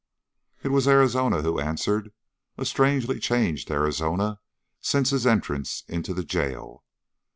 It was Arizona who answered, a strangely changed Arizona since his entrance into the jail.